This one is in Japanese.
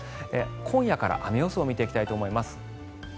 今夜から雨予想を見ていきたいと思います。